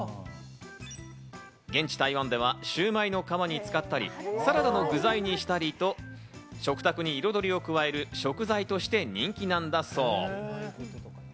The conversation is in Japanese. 現地・台湾ではシュウマイの皮に使ったり、サラダの具材にしたりと、食卓に彩りを加える食材として人気なんだそう。